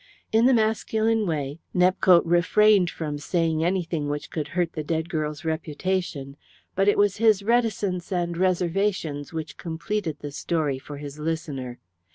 In the masculine way, Nepcote refrained from saying anything which could hurt the dead girl's reputation, but it was his reticence and reservations which completed the story for his listener.